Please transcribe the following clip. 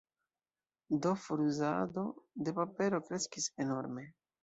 Do foruzado de papero kreskis enorme.